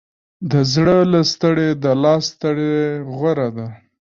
د زړه له ستړې، د لاس ستړې غوره ده.